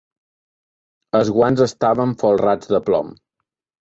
Els guants estaven folrats de plom.